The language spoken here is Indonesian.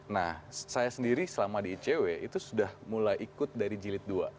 nah saya sendiri selama di icw itu sudah mulai ikut dari jilid dua